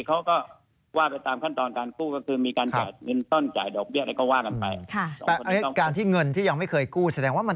เขาก็ว่าไปตามขั้นตอนการคู่ก็คือมีการจ่ายเงินต้นจ่ายดอกเดี๋ยวเลย